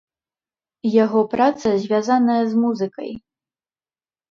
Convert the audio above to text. Яго праца звязаная з музыкай.